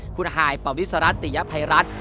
คุณฮายปวิสรัตติยภัยรัฐ